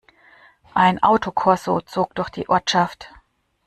Ein Autokorso zog durch die Ortschaft.